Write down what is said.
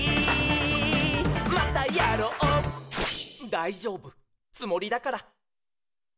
「だいじょうぶつもりだから」